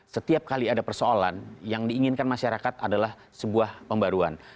setiap kali ada persoalan yang diinginkan masyarakat adalah sebuah pembaruan